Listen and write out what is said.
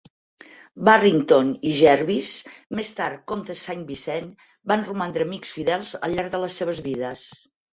Barrington i Jervis, més tard Comte Saint Vincent, van romandre amics fidels al llarg de les seves vides.